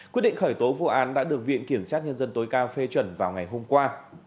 quyết định khởi tố vụ án đã được viện kiểm sát nhân dân tối cao phê chuẩn vào ngày hôm qua